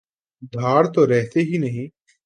دھاڑ تو رہتی ہی نہیں۔